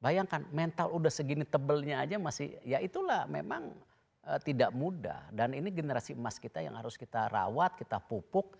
bayangkan mental udah segini tebelnya aja masih ya itulah memang tidak mudah dan ini generasi emas kita yang harus kita rawat kita pupuk